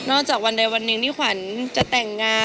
จากวันใดวันหนึ่งที่ขวัญจะแต่งงาน